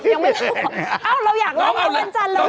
เอาเราอยากเริ่มต้นสัปดาห์นี้เลย